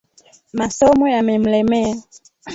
Masomo yamemlemea